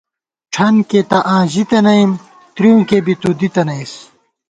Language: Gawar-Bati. ڄھن کېئی تہ آں ژِتَنَئیم، ترېوں کېئی بی تُو دِتَنَئیس